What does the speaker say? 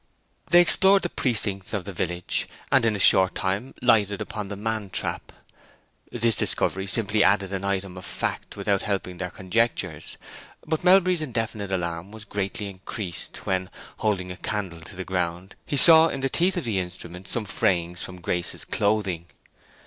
They explored the precincts of the village, and in a short time lighted upon the man trap. Its discovery simply added an item of fact without helping their conjectures; but Melbury's indefinite alarm was greatly increased when, holding a candle to the ground, he saw in the teeth of the instrument some frayings from Grace's clothing.